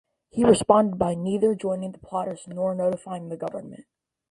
He responded by neither joining the plotters nor notifying the government.